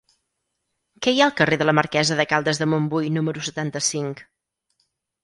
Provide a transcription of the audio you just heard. Què hi ha al carrer de la Marquesa de Caldes de Montbui número setanta-cinc?